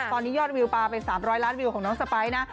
ตอนนี้ยอดวิวปลาไป๓๐๐ล้านวิวของน้องสไปร์นะ